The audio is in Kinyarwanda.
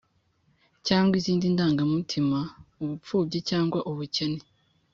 cyangwa izindi ndanga mutima ubupfubyi cyangwa ubukene, …